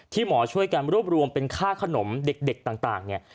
หมอช่วยกันรวบรวมเป็นค่าขนมเด็กต่างเนี่ย